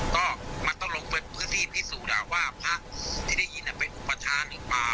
ก็มันต้องลงไปพื้นที่พิสูจน์ว่าพระที่ได้ยินเป็นอุปชาหรือเปล่า